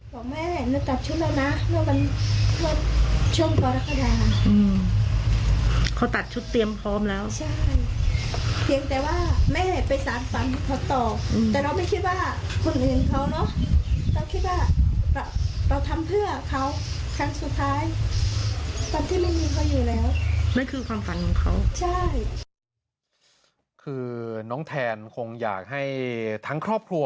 บอกแม่หนูตัดชุดแล้วนะนั่นมันช่วงกรษฎา